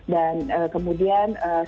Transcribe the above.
dan kemudian secara